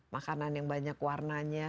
makanan yang banyak warnanya